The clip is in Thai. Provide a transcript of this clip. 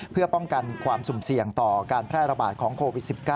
เพื่อป้องกันความสุ่มเสี่ยงต่อการแพร่ระบาดของโควิด๑๙